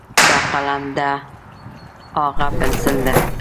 دا قلم ده، هاغه پینسل ده.